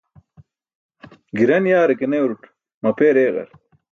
Giran yaare ke newrut mapeer eeġar.